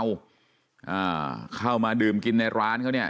อ่าเข้ามาดื่มกินในร้านเขาเนี่ย